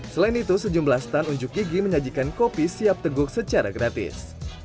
selain itu sejumlah stan unjuk gigi menyajikan kopi siap teguk secara gratis